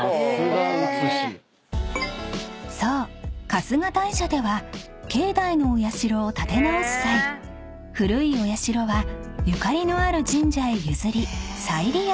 春日大社では境内のお社を建て直す際古いお社はゆかりのある神社へ譲り再利用］